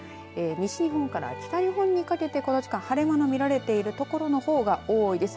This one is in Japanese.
西日本から北日本にかけて晴れ間の見られている所のほうが多いです。